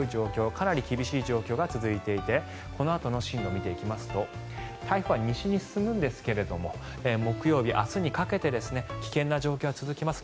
かなり厳しい状況が続いていてこのあとの進路を見ていきますと台風は西に進むんですが木曜日、明日にかけて危険な状況が続きます。